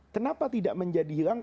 kenapa tidak menjadi hilang